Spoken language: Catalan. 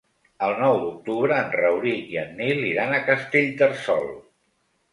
El nou d'octubre en Rauric i en Nil iran a Castellterçol.